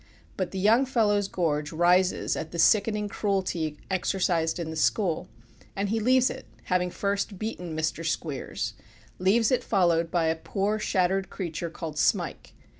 But the young fellow's gorge rises at the sickening cruelty exercised in the school, and he leaves it, having first beaten Mr. Squeers, leaves it followed by a poor shattered creature called Smike.